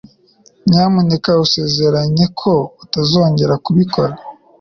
Nyamuneka usezeranye ko utazongera kubikora.